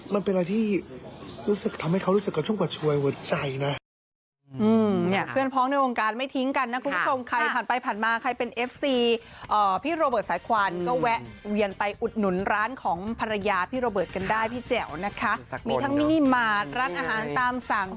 มันเป็นอะไรที่ทำให้เขารู้สึกกับช่วงปลอดภัยในหัวใจนะ